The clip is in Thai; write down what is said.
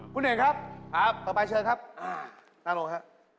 คุณเอกครับต่อไปเชิญครับน่าลงฮะ